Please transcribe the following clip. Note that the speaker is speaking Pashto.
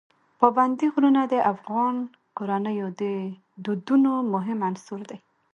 پابندی غرونه د افغان کورنیو د دودونو مهم عنصر دی.